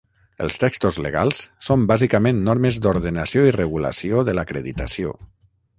Els textos legals són bàsicament normes d'ordenació i regulació de l'acreditació.